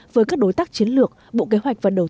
với các đối tác chiến lược bộ kế hoạch vận đồng